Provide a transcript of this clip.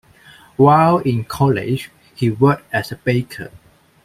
While in college, he worked as a baker.